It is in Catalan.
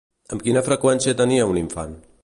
Amb quina freqüència tenia un infant?